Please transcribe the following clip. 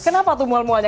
kenapa tuh mual mualnya